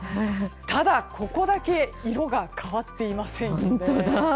ただ、ここだけ色が変わっていませんよね。